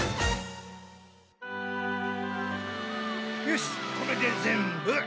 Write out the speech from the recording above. よしこれで全部！